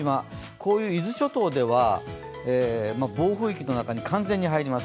こういう伊豆諸島では暴風域の中に完全に入ります。